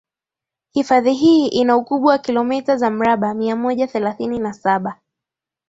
Hifadhi hii ina ukubwa wa kilometa za mraba mia moja thelathini na saba